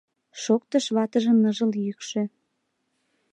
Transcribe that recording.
— Шоктыш ватыжын ныжыл йӱкшӧ.